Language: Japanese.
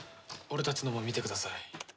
俺たちのも見てください。